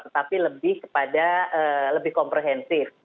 tetapi lebih kepada lebih komprehensif